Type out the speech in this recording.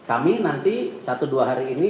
kami nanti satu dua hari ini